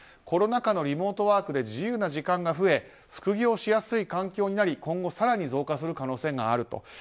コロナ禍のリモートワークで自由な時間が増え副業しやすい環境になり更に増加する可能性があると。